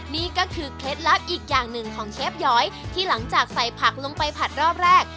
นี่ก็คือเคล็ดลับอีกอย่างหนึ่งของเชฟหย้อยที่หลังจากใส่ผักลงไปผัดรอบแรก